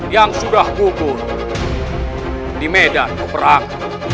yang sudah kubur di medan perang